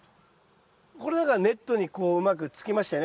これなんかはネットにこううまくつきましたよね。